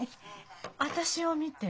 私を見て？